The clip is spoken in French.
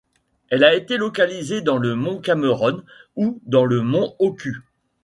Elle a été localisée dans le mont Cameroun et dans le mont Oku.